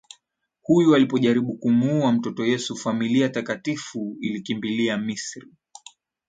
Huyu alipojaribu kumuua mtoto Yesu familia takatifu ilikimbilia Misri